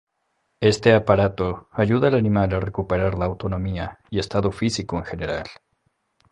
Este aparato ayuda al animal a recuperar la autonomía y estado físico en general.